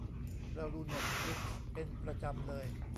เราดูเน็ตฟลิกซ์เป็นประจำเลย